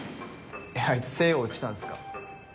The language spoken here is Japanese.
えっあいつ星葉落ちたんすか？